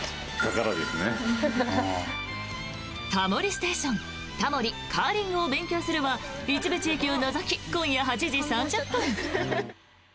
「タモリステーションタモリ、カーリングを勉強する」は一部地域を除き今夜８時３０分。